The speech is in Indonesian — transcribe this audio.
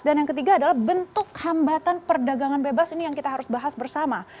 dan yang ketiga adalah bentuk hambatan perdagangan bebas ini yang kita harus bahas bersama